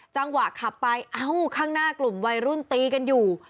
จังหวะขับไปเอ้าข้างหน้ากลุ่มวัยรุ่นตีกันอยู่